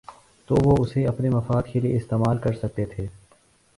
تو وہ اسے اپنے مفاد کے لیے استعمال کر سکتے تھے۔